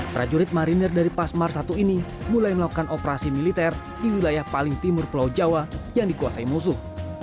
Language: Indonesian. prajurit marinir dari pasmar i ini mulai melakukan operasi militer di wilayah paling timur pulau jawa yang dikuasai musuh